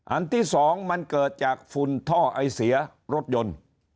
อันที่สองมันเกิดจากฝุ่นท่อไอเสียรถยนต์